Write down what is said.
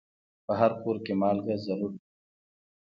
په هر کور کې مالګه ضرور وي.